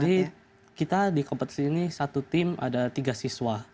jadi kita di kompetisi ini satu tim ada tiga siswa